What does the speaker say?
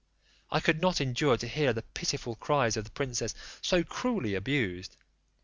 I could not endure to hear the pitiful cries of the princess so cruelly abused.